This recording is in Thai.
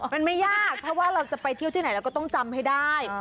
มันไม่ยากเพราะว่าเราจะไปเที่ยวที่ไหนเราก็ต้องจำให้ได้